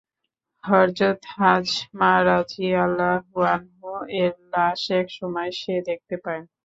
হযরত হামযা রাযিয়াল্লাহু আনহু-এর লাশ এক সময় সে দেখতে পায়।